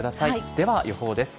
では予報です。